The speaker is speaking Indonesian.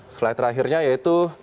slide terakhirnya yaitu